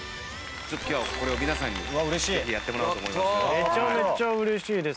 ちょっと今日はこれを皆さんにぜひやってもらおうと思います。